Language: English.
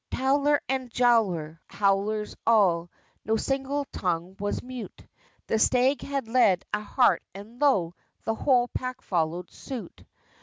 Towler and Jowler howlers all, No single tongue was mute; The stag had led a hart, and lo! The whole pack followed suit.